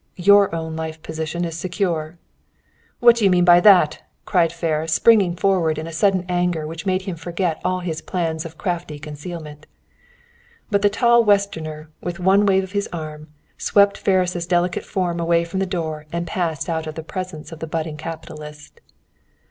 Your own life position is secure!" "What do you mean by that?" cried Ferris, springing forward in a sudden anger which made him forget all his plans of crafty concealment. But the tall Westerner, with one wave of his arm, swept Ferris' delicate form away from the door and passed out of the presence of the budding capitalist.